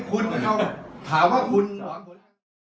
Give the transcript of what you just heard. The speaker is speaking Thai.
โปรดติดตามตอนต่อไป